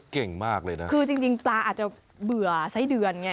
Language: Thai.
เก่งมากเลยนะคือจริงจริงปลาอาจจะเบื่อไส้เดือนไง